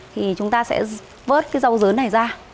thì chúng ta sẽ vớt cái rau dớn này ra